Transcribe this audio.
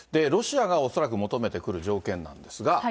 ロシアが恐らく求めてくる条件なんですが。